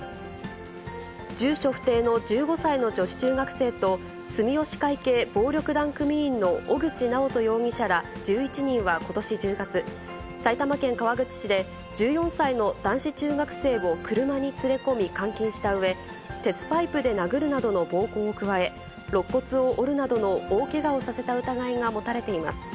住所不定の１５歳の女子中学生と、住吉会系暴力団組員の小口直斗容疑者ら１１人はことし１０月、埼玉県川口市で、１４歳の男子中学生を車に連れ込み監禁したうえ、鉄パイプで殴るなどの暴行を加え、ろっ骨を折るなどの大けがをさせた疑いが持たれています。